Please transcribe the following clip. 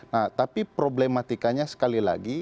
nah tapi problematikanya sekali lagi